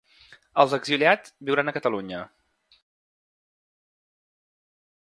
Els exiliats viuran a Catalunya.